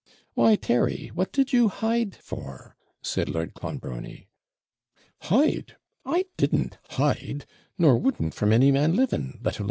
'Why, Terry, what did you hide for?' said Lord Clonbrony. 'Hide! I didn't hide, nor wouldn't from any man living, let alone any woman.